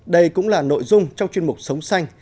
đây cũng là nội dung trong chuyên mục sống xanh